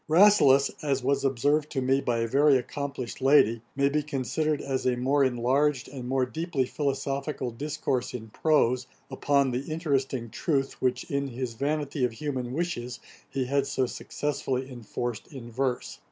Rasselas, as was observed to me by a very accomplished lady, may be considered as a more enlarged and more deeply philosophical discourse in prose, upon the interesting truth, which in his Vanity of Human Wishes he had so successfully enforced in verse.